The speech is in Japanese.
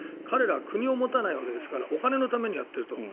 彼らは国を持たないわけですからお金のためにやっていると。